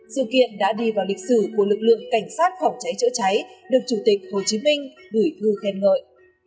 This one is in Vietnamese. sự kiện đã đi vào lịch sử của lực lượng cảnh sát phòng cháy chữa cháy được chủ tịch hồ chí minh gửi thư khen ngợi